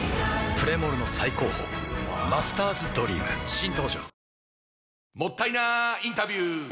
プレモルの最高峰「マスターズドリーム」新登場ワオもったいなインタビュー！